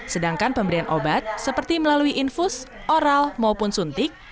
sedangkan pemberian obat seperti melalui infus oral maupun suntik